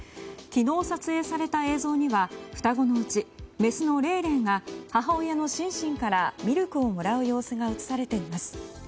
昨日撮影された映像には双子のうちメスのレイレイが母親のシンシンからミルクをもらう様子が映されています。